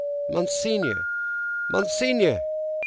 Monseigneur! Monseigneur!"